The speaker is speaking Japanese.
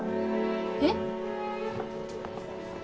えっ？